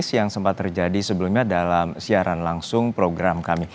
yang sempat terjadi sebelumnya dalam siaran langsung program kami